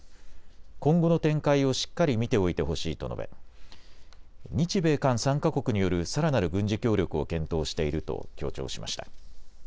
今後の展開をしっかり見ておいてほしいと述べ日米韓３か国によるさらなる軍事協力を検討していると強調しました。